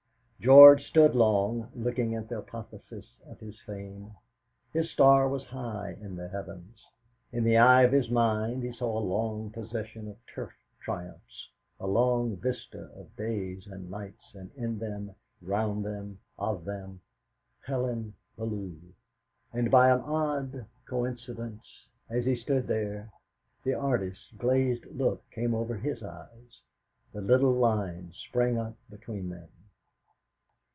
George stood long looking at the apotheosis of his fame. His star was high in the heavens. With the eye of his mind he saw a long procession of turf triumphs, a long vista of days and nights, and in them, round them, of them Helen Bellow; and by an odd coincidence, as he stood there, the artist's glazed look came over his eyes, the little line sprang up between them.